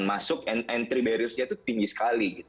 masuk and entry barriersnya itu tinggi sekali